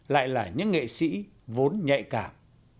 lại là những nghệ sĩ vốn nhạy cảm